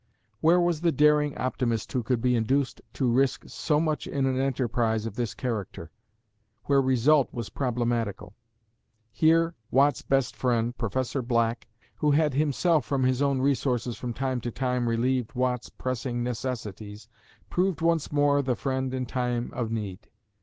Where was the daring optimist who could be induced to risk so much in an enterprise of this character, where result was problematical. Here, Watt's best friend, Professor Black, who had himself from his own resources from time to time relieved Watt's pressing necessities, proved once more the friend in time of need.